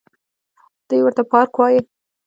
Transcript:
دوى ورته پارک وايه.